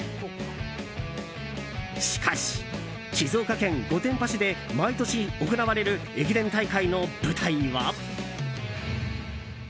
しかし、静岡県御殿場市で毎年行われる駅伝大会の舞台は。